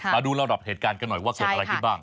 มาดูลำดับเหตุการณ์กันหน่อยว่าสมอะไรคิดบ้าง